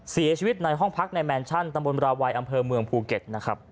เสียชีวิตในห้องพักในแมนชั่นตำบลราวัยอำเภอเมืองภูเก็ตนะครับ